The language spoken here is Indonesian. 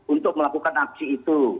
untuk melakukan aksi itu